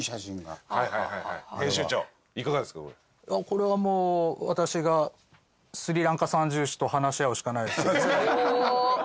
これはもう私がスリランカ三銃士と話し合うしかないですね。